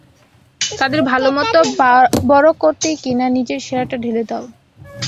তাদের ভালোমতো বড়ো করতেই কিনা নিজের সেরাটা ঢেলে দাও।